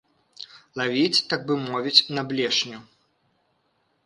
Лавіць, так бы мовіць, на блешню.